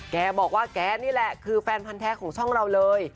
แกบอกว่าแกนี่แหละคือแฟนพันธ์แท้ของช่องเราเลย